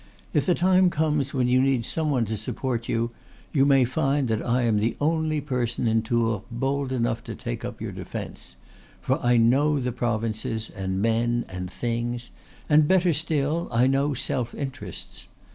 If the time comes when you need some one to support you you may find that I am the only person in Tours bold enough to take up your defence; for I know the provinces and men and things, and, better still, I know self interests.